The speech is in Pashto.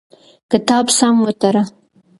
کتاب سم وتړه.